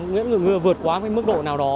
ngưỡng lượng mưa vượt quá mức độ nào đó